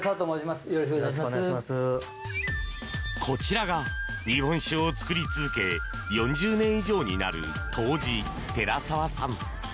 こちらが日本酒を造り続け４０年以上になる杜氏、寺澤さん。